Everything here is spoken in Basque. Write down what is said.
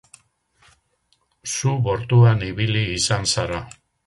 Zu bortuan ibili izan zara.